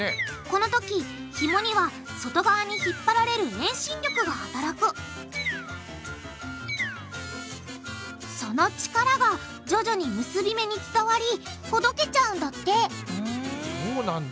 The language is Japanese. このときひもには外側に引っ張られる遠心力が働くその力が徐々に結び目に伝わりほどけちゃうんだってふん。